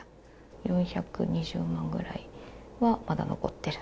４２０万ぐらいはまだ残っている。